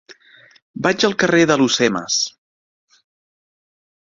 Vaig al carrer d'Alhucemas.